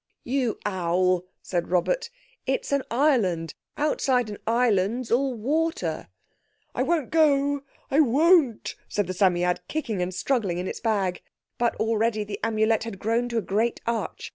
"You owl!" said Robert, "it's an island. Outside an island's all water." "I won't go. I won't," said the Psammead, kicking and struggling in its bag. But already the Amulet had grown to a great arch.